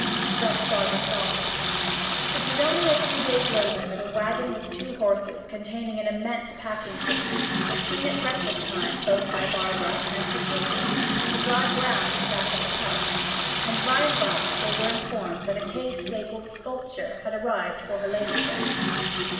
Thus Barbara thought. It was only a few days later that a waggon with two horses, containing an immense packing case, was seen at breakfast time both by Barbara and her husband to drive round to the back of the house, and by and by they were informed that a case labelled 'Sculpture' had arrived for her ladyship.